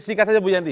sikat saja bu yanti